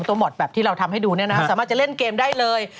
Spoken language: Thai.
หมอทแบบที่เราทำให้ดูเนี่ยนะฮะสามารถจะเล่นเกมได้เลย